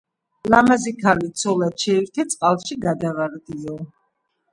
ლამაზი ქალი ცოლად შეირთე - წყალში გადავარდიო.